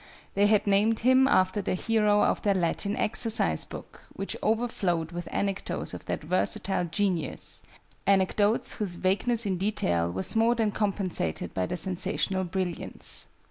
They had named him after the hero of their Latin exercise book, which overflowed with anecdotes of that versatile genius anecdotes whose vagueness in detail was more than compensated by their sensational brilliance.